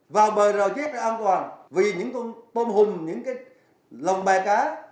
vào bờ rào chép là an toàn vì những con tôm hùm những cái lồng bè cá